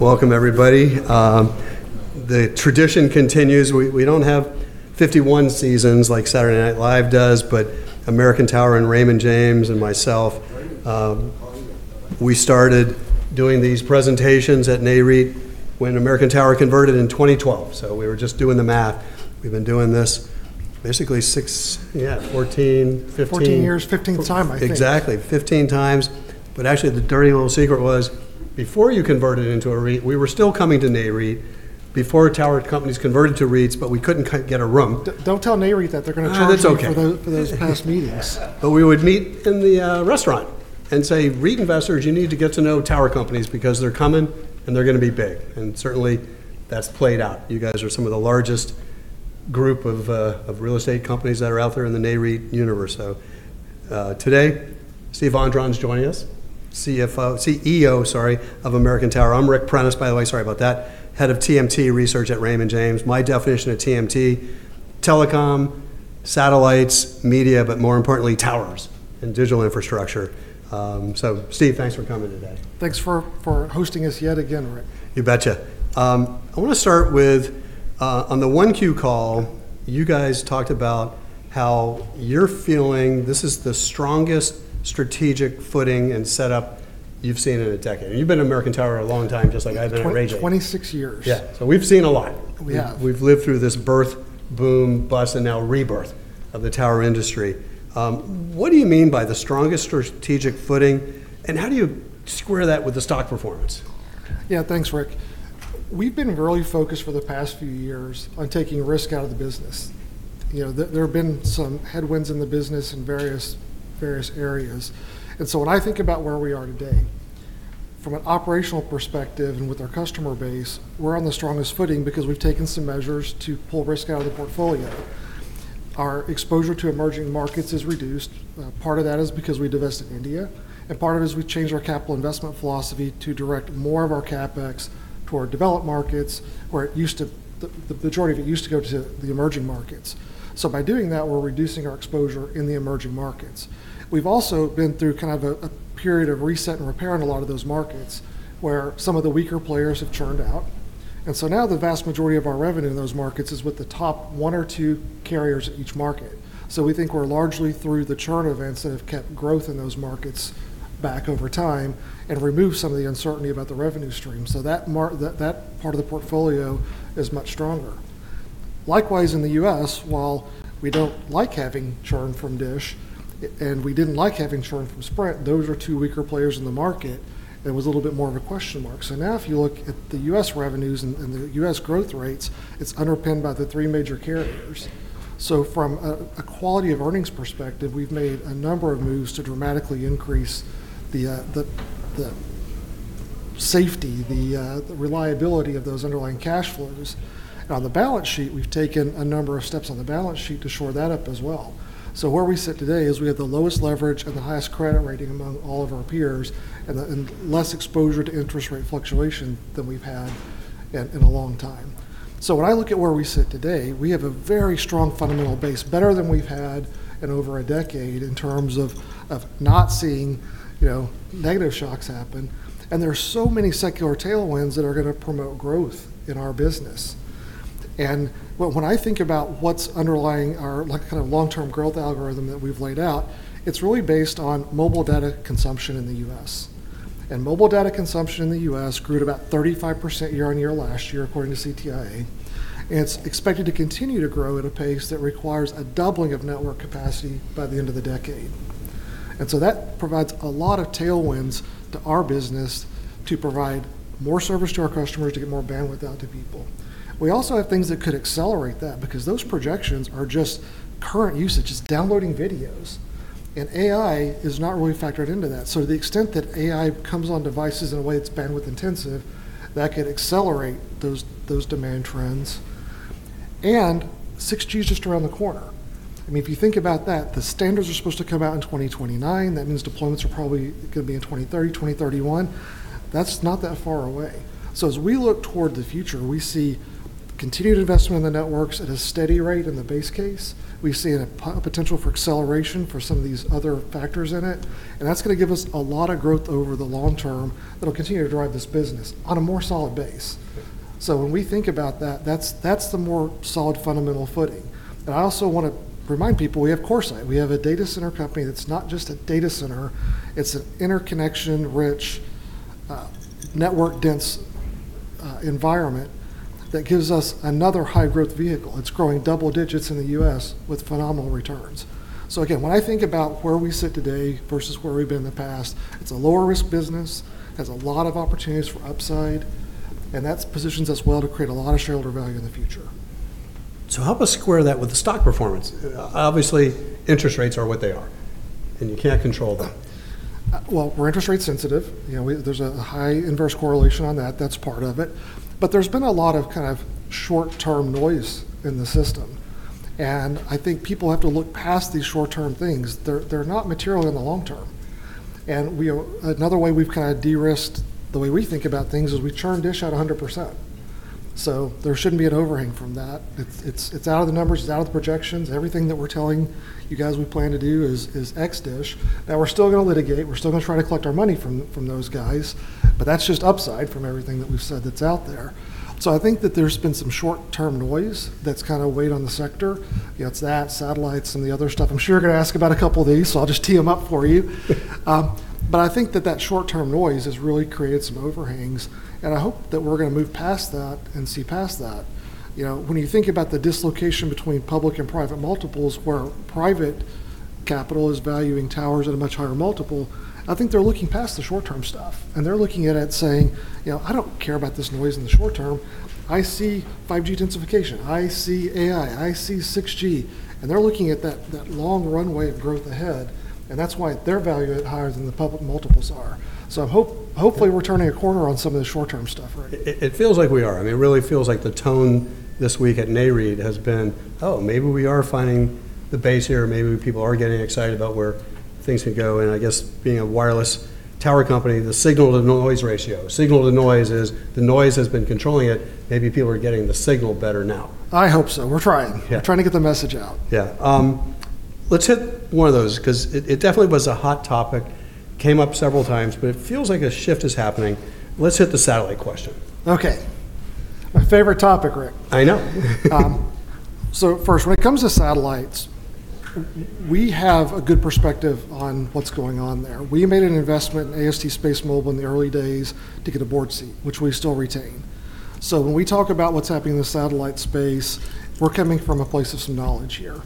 Welcome everybody. The tradition continues. We don't have 51 seasons like Saturday Night Live does, but American Tower, and Raymond James and myself, we started doing these presentations at Nareit when American Tower converted in 2012. We were just doing the math. We've been doing this basically six, 14, 15. 14 years, 15th time, I think. Exactly. 15x. Actually, the dirty little secret was, before you converted into a REIT, we were still coming to Nareit before Tower companies converted to REITs, we couldn't get a room. Don't tell Nareit that. They're going to charge you for those past meetings. We would meet in the restaurant and say, "REIT investors, you need to get to know Tower companies because they're coming, and they're going to be big." Certainly that's played out. You guys are some of the largest group of real estate companies that are out there in the Nareit universe. Today, Steven Vondran's joining us, CFO, CEO, sorry, of American Tower. I'm Ric Prentiss, by the way, sorry about that, Head of TMT research at Raymond James. My definition of TMT: telecom, satellites, media, but more importantly, towers and digital infrastructure. Steven, thanks for coming today. Thanks for hosting us yet again, Ric. You betcha. I want to start with, on the 1Q call, you guys talked about how you're feeling this is the strongest strategic footing and setup you've seen in a decade. You've been at American Tower a long time, just like I've been at Raymond. 26 years. Yeah. We've seen a lot. We have. We've lived through this birth, boom, bust, and now rebirth of the Tower industry. What do you mean by the strongest strategic footing, and how do you square that with the stock performance? Yeah. Thanks, Ric. We've been really focused for the past few years on taking risk out of the business. There have been some headwinds in the business in various areas. When I think about where we are today, from an operational perspective and with our customer base, we're on the strongest footing because we've taken some measures to pull risk out of the portfolio. Our exposure to emerging markets is reduced. Part of that is because we divested India, and part of it is we've changed our capital investment philosophy to direct more of our CapEx toward developed markets where the majority of it used to go to the emerging markets. By doing that, we're reducing our exposure in the emerging markets. We've also been through kind of a period of reset and repair in a lot of those markets, where some of the weaker players have churned out. Now the vast majority of our revenue in those markets is with the top one or two carriers at each market. We think we're largely through the churn events that have kept growth in those markets back over time and removed some of the uncertainty about the revenue stream. That part of the portfolio is much stronger. Likewise, in the U.S., while we don't like having churn from Dish, and we didn't like having churn from Sprint, those were two weaker players in the market, and it was a little bit more of a question mark. Now if you look at the U.S. revenues and the U.S. growth rates, it's underpinned by the three major carriers. From a quality of earnings perspective, we've made a number of moves to dramatically increase the safety, the reliability of those underlying cash flows. The balance sheet, we've taken a number of steps on the balance sheet to shore that up as well. Where we sit today is we have the lowest leverage and the highest credit rating among all of our peers and less exposure to interest rate fluctuation than we've had in a long time. When I look at where we sit today, we have a very strong fundamental base, better than we've had in over a decade in terms of not seeing negative shocks happen. There are so many secular tailwinds that are going to promote growth in our business. When I think about what's underlying our kind of long-term growth algorithm that we've laid out, it's really based on mobile data consumption in the U.S. Mobile data consumption in the U.S. grew at about 35% year on year last year, according to CTIA. It's expected to continue to grow at a pace that requires a doubling of network capacity by the end of the decade. That provides a lot of tailwinds to our business to provide more service to our customers, to get more bandwidth out to people. We also have things that could accelerate that because those projections are just current usage. It's downloading videos. AI is not really factored into that. To the extent that AI comes on devices in a way that's bandwidth intensive, that could accelerate those demand trends. 6G's just around the corner. If you think about that, the standards are supposed to come out in 2029. That means deployments are probably going to be in 2030, 2031. That's not that far away. As we look toward the future, we see continued investment in the networks at a steady rate in the base case. We see a potential for acceleration for some of these other factors in it, and that's going to give us a lot of growth over the long term that'll continue to drive this business on a more solid base. When we think about that's the more solid fundamental footing. I also want to remind people we have CoreSite. We have a data center company that's not just a data center. It's an interconnection-rich, network-dense environment that gives us another high-growth vehicle. It's growing double digits in the U.S. with phenomenal returns. Again, when I think about where we sit today versus where we've been in the past, it's a lower-risk business, has a lot of opportunities for upside, and that positions us well to create a lot of shareholder value in the future. Help us square that with the stock performance. Obviously, interest rates are what they are, and you can't control them. Well, we're interest rate sensitive. There's a high inverse correlation on that. That's part of it. There's been a lot of kind of short-term noise in the system, and I think people have to look past these short-term things. They're not material in the long term. Another way we've kind of de-risked the way we think about things is we churned Dish at 100%. There shouldn't be an overhang from that. It's out of the numbers, it's out of the projections. Everything that we're telling you guys we plan to do is ex Dish. Now, we're still going to litigate, we're still going to try to collect our money from those guys, but that's just upside from everything that we've said that's out there. I think that there's been some short-term noise that's kind of weighed on the sector. It's that, satellites, and the other stuff. I'm sure you're going to ask about a couple of these. I'll just tee them up for you. I think that that short-term noise has really created some overhangs, and I hope that we're going to move past that and see past that. When you think about the dislocation between public and private multiples, where private capital is valuing towers at a much higher multiple, I think they're looking past the short-term stuff, and they're looking at it saying, "I don't care about this noise in the short term." I see 5G densification. I see AI. I see 6G. They're looking at that long runway of growth ahead, and that's why they're valued at higher than the public multiples are. Hopefully, we're turning a corner on some of the short-term stuff, right? It feels like we are. It really feels like the tone this week at Nareit has been, maybe we are finding the base here, or maybe people are getting excited about where things can go. I guess being a wireless tower company, the signal-to-noise ratio. Signal-to-noise is the noise has been controlling it. Maybe people are getting the signal better now. I hope so. We're trying. We're trying to get the message out. Yeah. Let's hit one of those, because it definitely was a hot topic. Came up several times, but it feels like a shift is happening. Let's hit the satellite question. Okay. My favorite topic, Ric. I know. First, when it comes to satellites, we have a good perspective on what's going on there. We made an investment in AST SpaceMobile in the early days to get a Board seat, which we still retain. When we talk about what's happening in the satellite space, we're coming from a place of some knowledge here.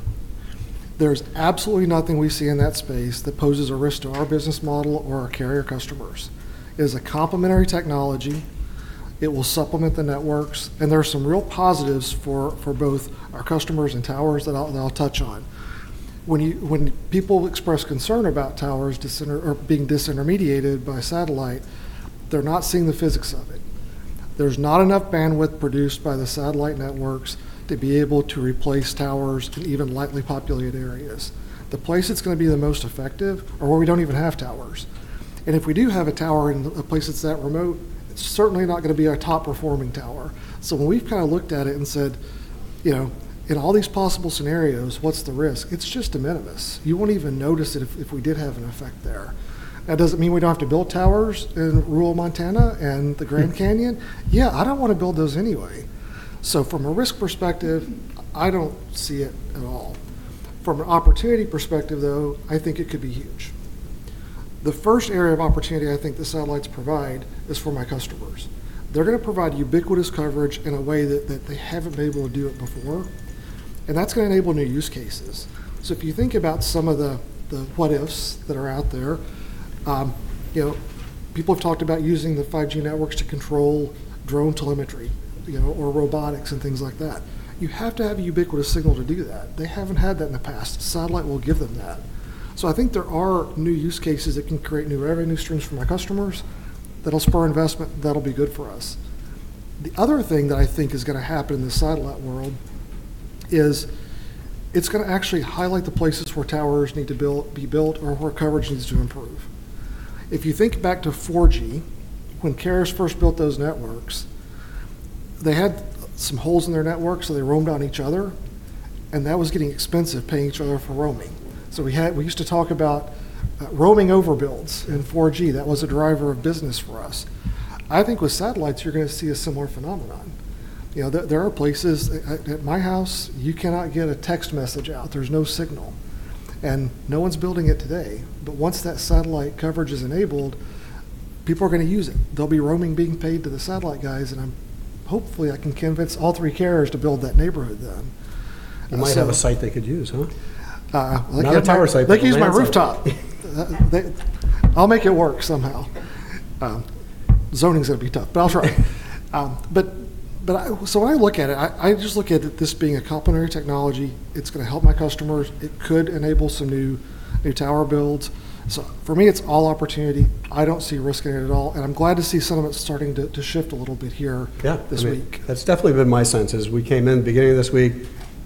There's absolutely nothing we see in that space that poses a risk to our business model or our carrier customers. It is a complementary technology, it will supplement the networks, and there are some real positives for both our customers and towers that I'll touch on. When people express concern about towers being disintermediated by satellite, they're not seeing the physics of it. There's not enough bandwidth produced by the satellite networks to be able to replace towers in even lightly populated areas. The place it's going to be the most effective are where we don't even have towers. If we do have a tower in a place that's that remote, it's certainly not going to be our top-performing tower. When we've looked at it and said, "In all these possible scenarios, what's the risk?" It's just de minimis. You won't even notice it if we did have an effect there. That doesn't mean we don't have to build towers in rural Montana and the Grand Canyon. Yeah, I don't want to build those anyway. From a risk perspective, I don't see it at all. From an opportunity perspective, though, I think it could be huge. The first area of opportunity I think the satellites provide is for my customers. They're going to provide ubiquitous coverage in a way that they haven't been able to do it before, and that's going to enable new use cases. If you think about some of the what ifs that are out there, people have talked about using the 5G networks to control drone telemetry, or robotics and things like that. You have to have a ubiquitous signal to do that. They haven't had that in the past. Satellite will give them that. I think there are new use cases that can create new revenue streams for my customers that'll spur investment, that'll be good for us. The other thing that I think is going to happen in the satellite world is it's going to actually highlight the places where towers need to be built or where coverage needs to improve. If you think back to 4G, when carriers first built those networks, they had some holes in their network, so they roamed on each other, and that was getting expensive, paying each other for roaming. We used to talk about roaming overbuilds in 4G. That was a driver of business for us. I think with satellites, you're going to see a similar phenomenon. There are places, at my house, you cannot get a text message out. There's no signal. No one's building it today, but once that satellite coverage is enabled, people are going to use it. They'll be roaming, being paid to the satellite guys, and hopefully, I can convince all three carriers to build that neighborhood, then. They might have a site they could use, huh? They could use my rooftop. I'll make it work somehow. Zoning's going to be tough, but I'll try. When I look at it, I just look at this being a complementary technology. It's going to help my customers. It could enable some new tower builds. For me, it's all opportunity. I don't see risk in it at all, and I'm glad to see some of it starting to shift a little bit here this week. That's definitely been my sense is we came in the beginning of this week,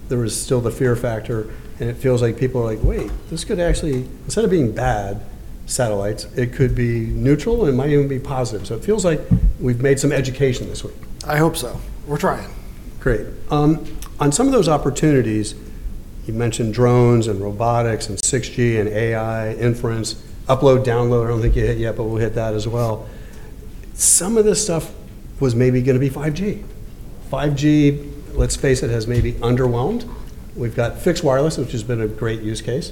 there was still the fear factor, and it feels like people are like, "Wait, this could actually, instead of being bad, satellites, it could be neutral, and it might even be positive." It feels like we've made some education this week. I hope so. We're trying. Great. On some of those opportunities, you mentioned drones and robotics and 6G and AI inference, upload, download, I don't think you hit yet, but we'll hit that as well. Some of this stuff was maybe going to be 5G. 5G, let's face it, has maybe underwhelmed. We've got fixed wireless, which has been a great use case.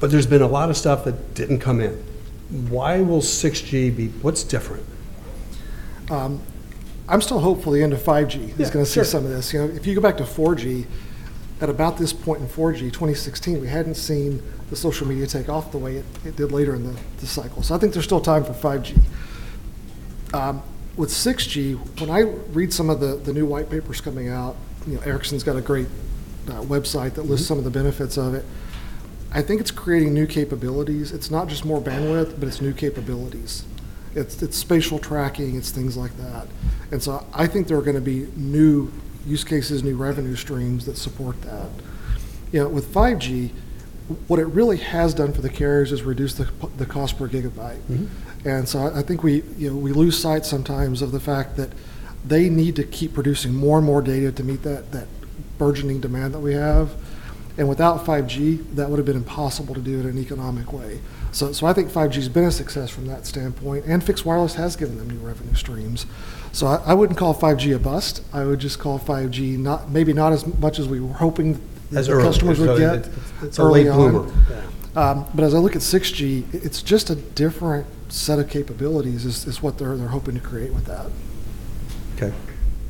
There's been a lot of stuff that didn't come in. Why will 6G be what's different? I'm still hopeful the end of 5G is going to see some of this. If you go back to 4G, at about this point in 4G, 2016, we hadn't seen the social media take off the way it did later in the cycle. I think there's still time for 5G. With 6G, when I read some of the new white papers coming out, Ericsson's got a great website that lists some of the benefits of it. I think it's creating new capabilities. It's not just more bandwidth, but it's new capabilities. It's spatial tracking, it's things like that. I think there are going to be new use cases, new revenue streams that support that. With 5G, what it really has done for the carriers is reduce the cost per gigabyte. I think we lose sight sometimes of the fact that they need to keep producing more and more data to meet that burgeoning demand that we have. Without 5G, that would've been impossible to do in an economic way. I think 5G's been a success from that standpoint, and fixed wireless has given them new revenue streams. I wouldn't call 5G a bust. I would just call 5G maybe not as much as we were hoping the customers would get early on. As I look at 6G, it's just a different set of capabilities is what they're hoping to create with that.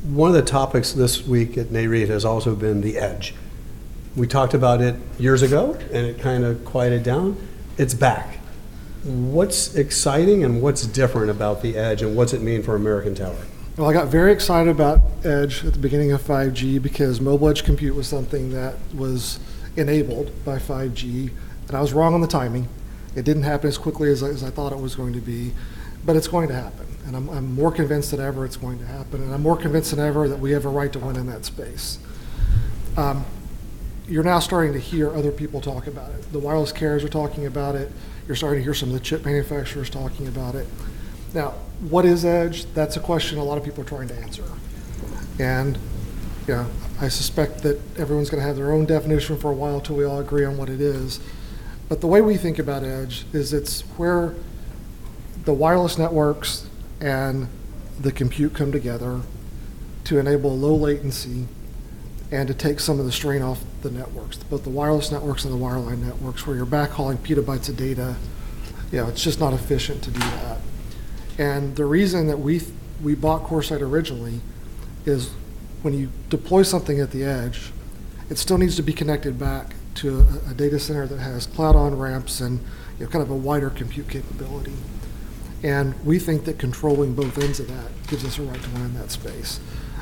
One of the topics this week at Nareit has also been the edge. We talked about it years ago, and it kind of quieted down. It's back. What's exciting, and what's different about the edge, and what's it mean for American Tower? I got very excited about edge at the beginning of 5G because mobile edge computing was something that was enabled by 5G, and I was wrong on the timing. It didn't happen as quickly as I thought it was going to be. It's going to happen, and I'm more convinced than ever it's going to happen, and I'm more convinced than ever that we have a right to win in that space. You're now starting to hear other people talk about it. The wireless carriers are talking about it. You're starting to hear some of the chip manufacturers talking about it. What is edge? That's a question a lot of people are trying to answer. I suspect that everyone's going to have their own definition for a while till we all agree on what it is. The way we think about edge is it's where the wireless networks and the compute come together to enable low latency and to take some of the strain off the networks, both the wireless networks and the wireline networks, where you're backhauling petabytes of data. It's just not efficient to do that. The reason that we bought CoreSite originally is when you deploy something at the edge, it still needs to be connected back to a data center that has cloud on-ramps and kind of a wider compute capability. We think that controlling both ends of that gives us a right to win in that space.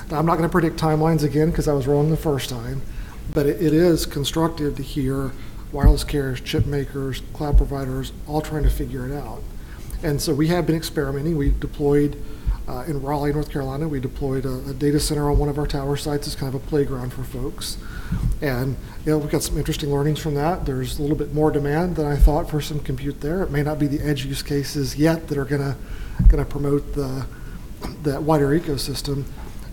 Now I'm not going to predict timelines again because I was wrong the first time, but it is constructive to hear wireless carriers, chip makers, cloud providers, all trying to figure it out. We have been experimenting. In Raleigh, North Carolina, we deployed a data center on one of our tower sites as kind of a playground for folks. We've got some interesting learnings from that. There's a little bit more demand than I thought for some compute there. It may not be the edge use cases yet that are going to promote that wider ecosystem,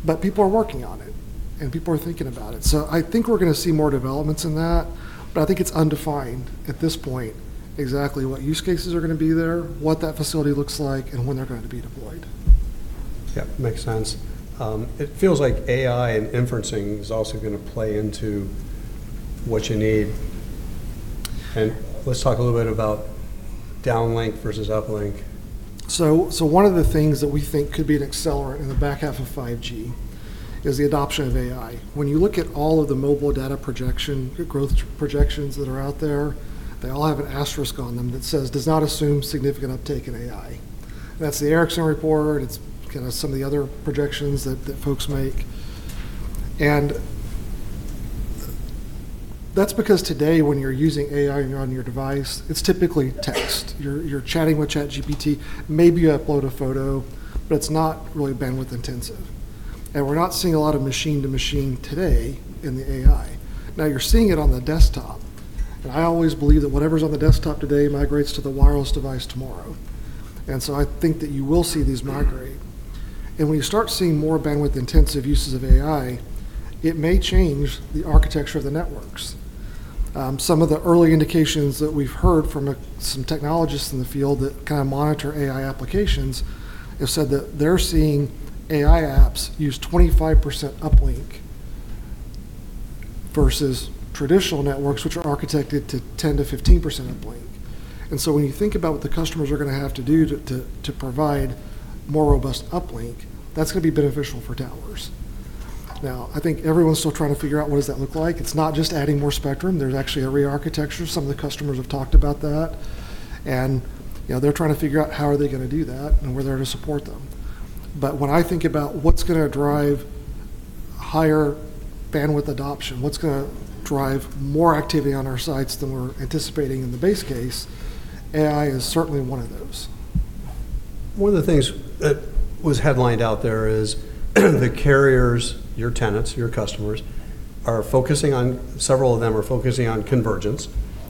but people are working on it, and people are thinking about it. I think we're going to see more developments in that, but I think it's undefined at this point exactly what use cases are going to be there, what that facility looks like, and when they're going to be deployed. Yeah, makes sense. It feels like AI and inferencing is also going to play into what you need. Let's talk a little bit about downlink versus uplink. One of the things that we think could be an accelerant in the back half of 5G is the adoption of AI. When you look at all of the mobile data projection, growth projections that are out there, they all have an asterisk on them that says, "Does not assume significant uptake in AI." That's the Ericsson report. It's some of the other projections that folks make. That's because today when you're using AI and you're on your device, it's typically text. You're chatting with ChatGPT. Maybe you upload a photo, but it's not really bandwidth intensive. We're not seeing a lot of machine-to-machine today in the AI. Now you're seeing it on the desktop, and I always believe that whatever's on the desktop today migrates to the wireless device tomorrow. I think that you will see these migrate. When you start seeing more bandwidth-intensive uses of AI, it may change the architecture of the networks. Some of the early indications that we've heard from some technologists in the field that kind of monitor AI applications have said that they're seeing AI apps use 25% uplink versus traditional networks, which are architected to 10%-15% uplink. When you think about what the customers are going to have to do to provide more robust uplink, that's going to be beneficial for towers. Now, I think everyone's still trying to figure out what does that look like. It's not just adding more spectrum. There's actually a rearchitecture. Some of the customers have talked about that. They're trying to figure out how are they going to do that, and we're there to support them. When I think about what's going to drive higher bandwidth adoption, what's going to drive more activity on our sites than we're anticipating in the base case, AI is certainly one of those. One of the things that was headlined out there is the carriers, your tenants, your customers, several of them are focusing on convergence,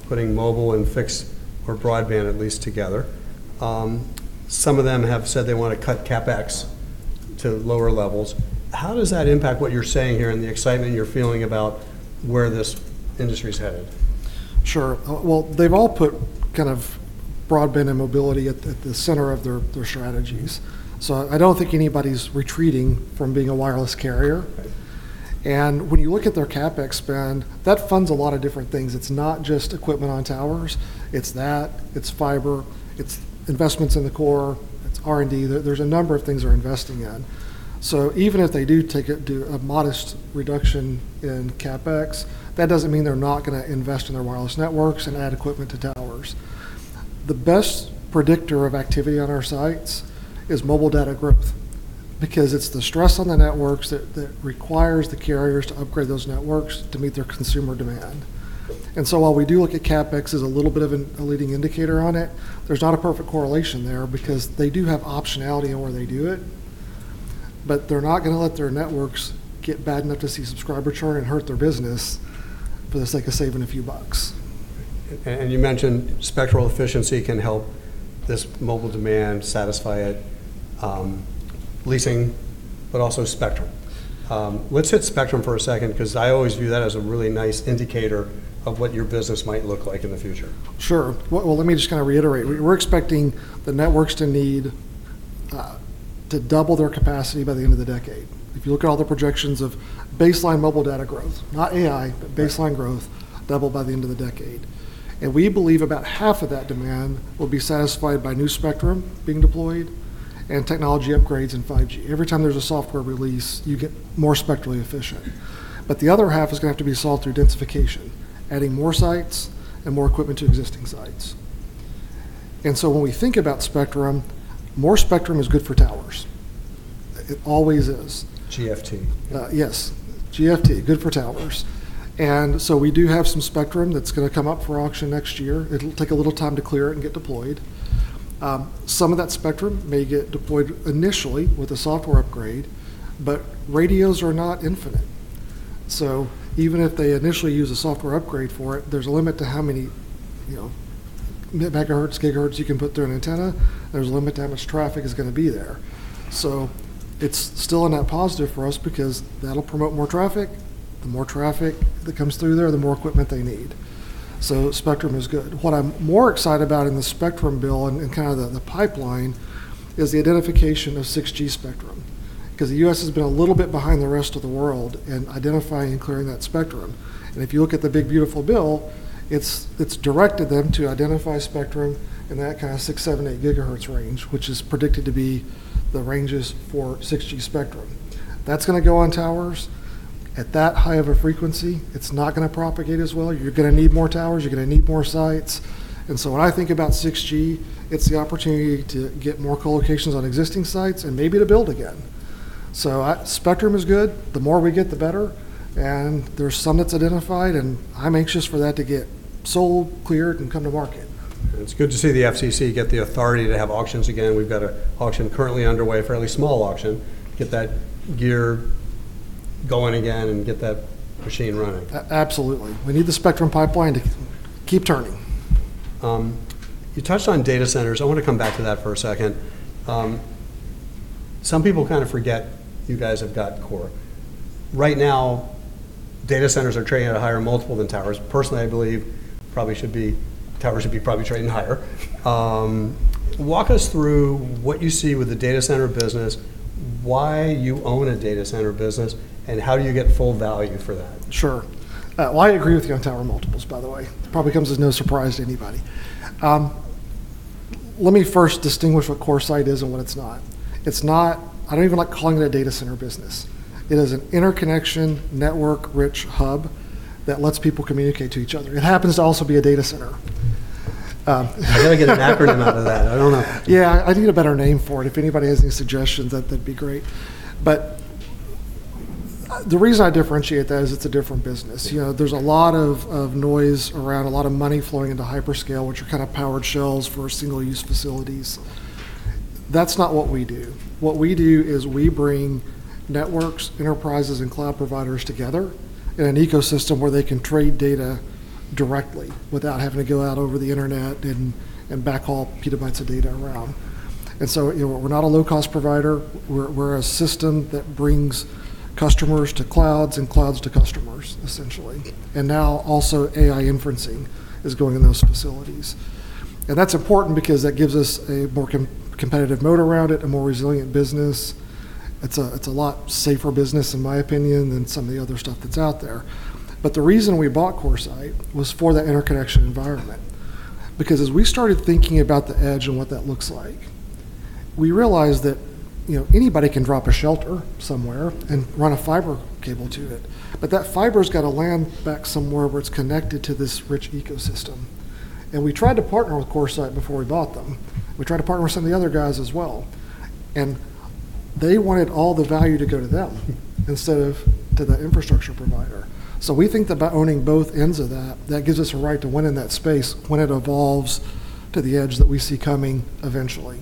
putting mobile and fixed or broadband at least together. Some of them have said they want to cut CapEx to lower levels. How does that impact what you're saying here and the excitement you're feeling about where this industry is headed? Sure. Well, they've all put kind of broadband and mobility at the center of their strategies. I don't think anybody's retreating from being a wireless carrier. When you look at their CapEx spend, that funds a lot of different things. It's not just equipment on towers. It's that, it's fiber, it's investments in the core, it's R&D. There's a number of things they're investing in. Even if they do take a modest reduction in CapEx, that doesn't mean they're not going to invest in their wireless networks and add equipment to towers. The best predictor of activity on our sites is mobile data growth because it's the stress on the networks that requires the carriers to upgrade those networks to meet their consumer demand. While we do look at CapEx as a little bit of a leading indicator on it, there's not a perfect correlation there because they do have optionality on where they do it. They're not going to let their networks get bad enough to see subscriber churn and hurt their business for the sake of saving a few bucks. You mentioned spectral efficiency can help this mobile demand satisfy it, leasing, but also spectrum. Let's hit spectrum for a second, because I always view that as a really nice indicator of what your business might look like in the future. Sure. Well, let me just kind of reiterate. We're expecting the networks to need to double their capacity by the end of the decade. If you look at all the projections of baseline mobile data growth, not AI, but baseline growth, double by the end of the decade. We believe about half of that demand will be satisfied by new spectrum being deployed and technology upgrades in 5G. Every time there's a software release, you get more spectrally efficient. The other half is going to have to be solved through densification, adding more sites and more equipment to existing sites. When we think about spectrum, more spectrum is good for towers. It always is. Yes. GFT, good for towers. We do have some spectrum that's going to come up for auction next year. It'll take a little time to clear it and get deployed. Some of that spectrum may get deployed initially with a software upgrade, but radios are not infinite. Even if they initially use a software upgrade for it, there's a limit to how many megahertz, gigahertz you can put through an antenna. There's a limit to how much traffic is going to be there. It's still a net positive for us because that'll promote more traffic. The more traffic that comes through there, the more equipment they need. Spectrum is good. What I'm more excited about in the spectrum bill and kind of the pipeline is the identification of 6G spectrum, because the U.S. has been a little bit behind the rest of the world in identifying and clearing that spectrum. If you look at the Big Beautiful Bill, it's directed them to identify spectrum in that kind of 6 GHz, 7 GHz, 8 GHz range, which is predicted to be the ranges for 6G spectrum. That's going to go on towers. At that high of a frequency, it's not going to propagate as well. You're going to need more towers. You're going to need more sites. When I think about 6G, it's the opportunity to get more colocations on existing sites and maybe to build again. Spectrum is good. The more we get, the better, and there's some that's identified, and I'm anxious for that to get sold, cleared, and come to market. It's good to see the FCC get the authority to have auctions again. We've got an auction currently underway, a fairly small auction, to get that gear going again and get that machine running. Absolutely. We need the spectrum pipeline to keep turning. You touched on data centers. I want to come back to that for a second. Some people kind of forget you guys have got Core. Right now, data centers are trading at a higher multiple than towers. Personally, I believe towers should be probably trading higher. Walk us through what you see with the data center business, why you own a data center business, and how do you get full value for that? Sure. Well, I agree with you on tower multiples, by the way. It probably comes as no surprise to anybody. Let me first distinguish what CoreSite is and what it is not. I do not even like calling it a data center business. It is an interconnection network-rich hub that lets people communicate to each other. It happens to also be a data center. You've got to get an acronym out of that. I don't know. I need a better name for it. If anybody has any suggestions, that'd be great. The reason I differentiate that is it's a different business. There's a lot of noise around, a lot of money flowing into hyperscale, which are kind of powered shells for single-use facilities. That's not what we do. What we do is we bring networks, enterprises, and cloud providers together in an ecosystem where they can trade data directly without having to go out over the internet and backhaul petabytes of data around. We're not a low-cost provider. We're a system that brings customers to clouds and clouds to customers, essentially. Now also AI inferencing is going in those facilities. That's important because that gives us a more competitive moat around it, a more resilient business. It's a lot safer business, in my opinion, than some of the other stuff that's out there. The reason we bought CoreSite was for that interconnection environment. As we started thinking about the edge and what that looks like, we realized that anybody can drop a shelter somewhere and run a fiber cable to it, but that fiber's got to land back somewhere where it's connected to this rich ecosystem. We tried to partner with CoreSite before we bought them. We tried to partner with some of the other guys as well, and they wanted all the value to go to them instead of to the infrastructure provider. We think that by owning both ends of that gives us a right to win in that space when it evolves to the edge that we see coming eventually.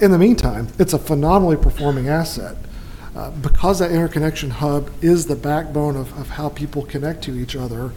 In the meantime, it's a phenomenally performing asset. Because that interconnection hub is the backbone of how people connect to each other,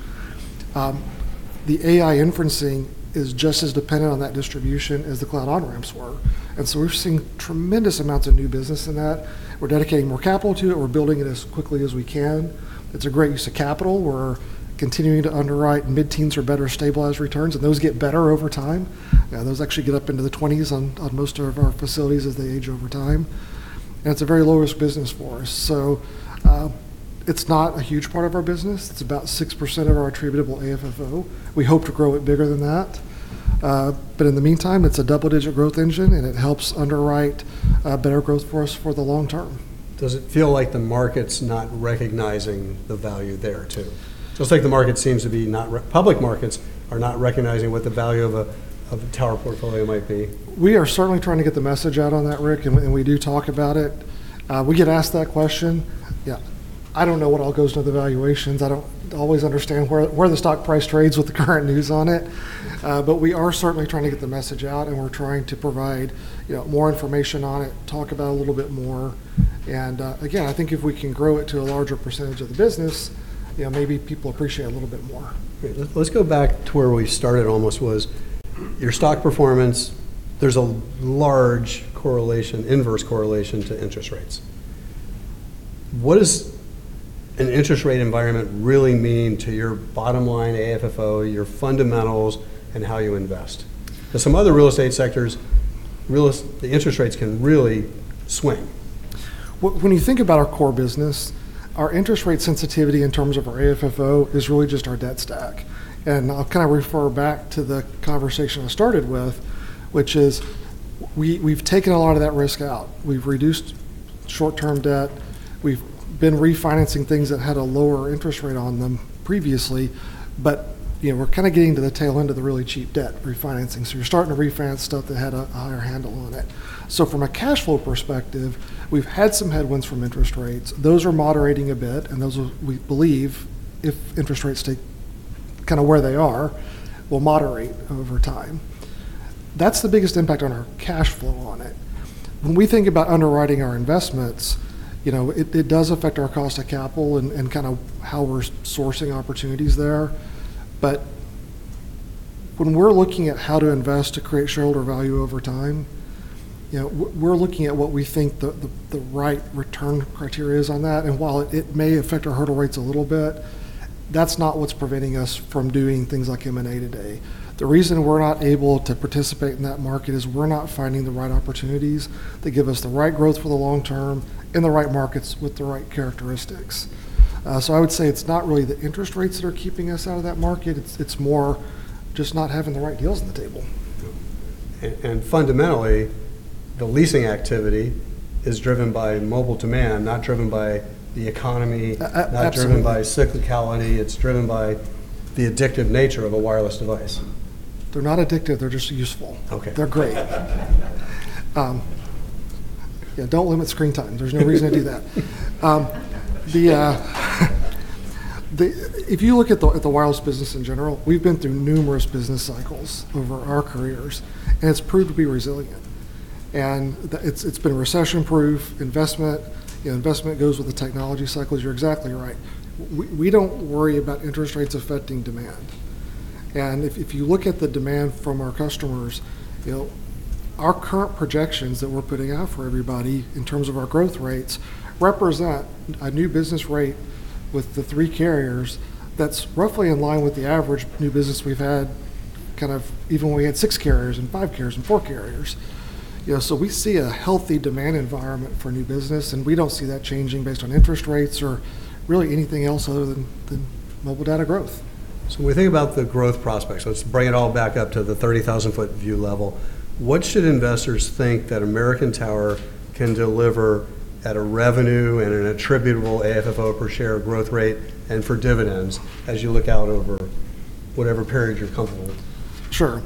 the AI inferencing is just as dependent on that distribution as the cloud on-ramps were, and so we're seeing tremendous amounts of new business in that. We're dedicating more capital to it. We're building it as quickly as we can. It's a great use of capital. We're continuing to underwrite mid-teens or better stabilized returns, and those get better over time. Those actually get up into the 20% on most of our facilities as they age over time. It's a very low-risk business for us. It's not a huge part of our business. It's about 6% of our attributable AFFO. We hope to grow it bigger than that. In the meantime, it's a double-digit growth engine, and it helps underwrite better growth for us for the long term. Does it feel like the market's not recognizing the value there, too? Just like public markets are not recognizing what the value of a tower portfolio might be. We are certainly trying to get the message out on that, Ric, and we do talk about it. We get asked that question. I don't know what all goes into the valuations. I don't always understand where the stock price trades with the current news on it. We are certainly trying to get the message out, and we're trying to provide more information on it, talk about it a little bit more. Again, I think if we can grow it to a larger percentage of the business, maybe people appreciate it a little bit more. Let's go back to where we started almost was your stock performance. There's a large inverse correlation to interest rates. What does an interest rate environment really mean to your bottom line, AFFO, your fundamentals, and how you invest? Some other real estate sectors, the interest rates can really swing. When you think about our core business, our interest rate sensitivity in terms of our AFFO is really just our debt stack. I'll refer back to the conversation I started with, which is we've taken a lot of that risk out. We've reduced short-term debt. We've been refinancing things that had a lower interest rate on them previously. We're getting to the tail end of the really cheap debt refinancing. You're starting to refinance stuff that had a higher handle on it. From a cash flow perspective, we've had some headwinds from interest rates. Those are moderating a bit, and those we believe, if interest rates stay where they are, will moderate over time. That's the biggest impact on our cash flow on it. When we think about underwriting our investments, it does affect our cost of capital and how we're sourcing opportunities there. When we're looking at how to invest to create shareholder value over time, we're looking at what we think the right return criteria is on that. While it may affect our hurdle rates a little bit, that's not what's preventing us from doing things like M&A today. The reason we're not able to participate in that market is we're not finding the right opportunities that give us the right growth for the long term in the right markets with the right characteristics. I would say it's not really the interest rates that are keeping us out of that market. It's more just not having the right deals on the table. Fundamentally, the leasing activity is driven by mobile demand, not driven by the economy not driven by cyclicality. It's driven by the addictive nature of a wireless device. They're not addictive. They're just useful. They're great. Don't limit screen time. There's no reason to do that. If you look at the wireless business in general, we've been through numerous business cycles over our careers, and it's proved to be resilient. It's been a recession-proof investment. Investment goes with the technology cycles. You're exactly right. We don't worry about interest rates affecting demand. If you look at the demand from our customers, our current projections that we're putting out for everybody in terms of our growth rates represent a new business rate with the three carriers that's roughly in line with the average new business we've had even when we had six carriers and five carriers and four carriers. We see a healthy demand environment for new business, and we don't see that changing based on interest rates or really anything else other than mobile data growth. When we think about the growth prospects, let's bring it all back up to the 30,000-foot view level. What should investors think that American Tower can deliver at a revenue and an attributable AFFO per share growth rate and for dividends as you look out over whatever period you're comfortable with? Sure.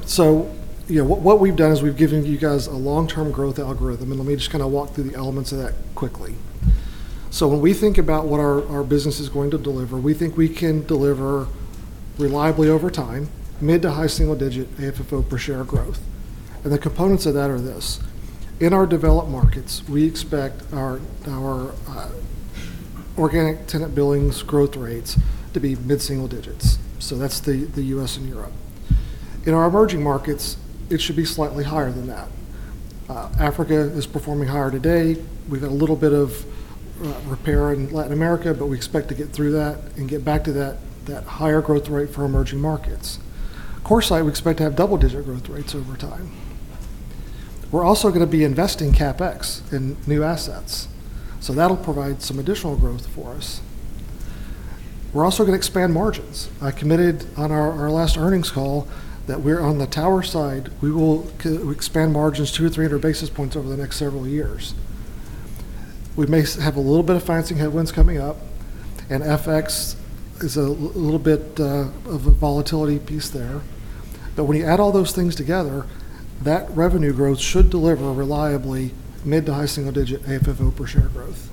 What we've done is we've given you guys a long-term growth algorithm, and let me just walk through the elements of that quickly. When we think about what our business is going to deliver, we think we can deliver reliably over time, mid to high single-digit AFFO per share growth. The components of that are this. In our developed markets, we expect our organic tenant billings growth rates to be mid-single digits. That's the U.S. and Europe. In our emerging markets, it should be slightly higher than that. Africa is performing higher today. We've got a little bit of repair in Latin America, but we expect to get through that and get back to that higher growth rate for emerging markets. CoreSite, we expect to have double-digit growth rates over time. We're also going to be investing CapEx in new assets. That'll provide some additional growth for us. We're also going to expand margins. I committed on our last earnings call that on the tower side, we will expand margins 200-300 basis points over the next several years. We may have a little bit of financing headwinds coming up, and FX is a little bit of a volatility piece there. When you add all those things together, that revenue growth should deliver reliably mid to high single digit AFFO per share growth.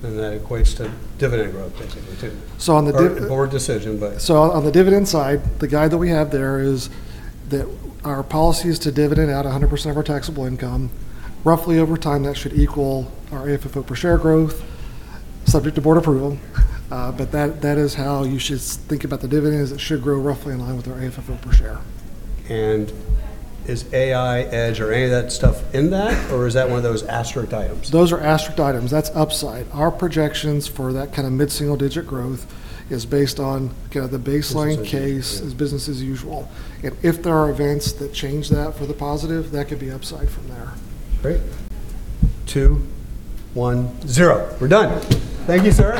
That equates to dividend growth basically, too. A Board decision. On the dividend side, the guide that we have there is that our policy is to dividend out 100% of our taxable income. Roughly over time, that should equal our AFFO per share growth subject to Board approval. That is how you should think about the dividend, is it should grow roughly in line with our AFFO per share. Is AI, edge, or any of that stuff in that? Is that one of those asterisked items? Those are asterisked items. That's upside. Our projections for that mid-single digit growth is based on the baseline case is business as usual. If there are events that change that for the positive, that could be upside from there. Great. Two, one, zero. We're done. Thank you, sir.